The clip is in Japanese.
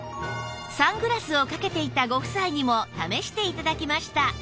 サングラスをかけていたご夫妻にも試して頂きました